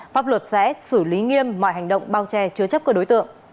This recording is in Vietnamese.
pháp luật sẽ xử lý nghiêm mọi hành động bao che chứa chấp của đối tượng